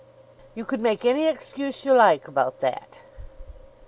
"You could make any excuse you like about that."